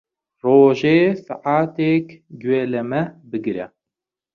ڕۆژێ سەعاتێک گوێ لەمە بگرە.